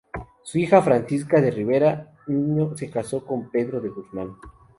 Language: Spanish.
Su hija Francisca de Ribera Niño se casó con Pedro de Guzmán.